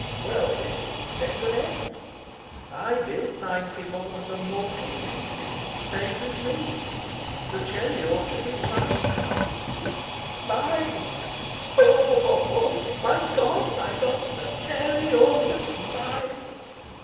Well, it came to an end. I bid ninety more than the mortgage; and it stayed with me. The cherry orchard is mine now, mine! [Roars with laughter] My God, my God, the cherry orchard's mine!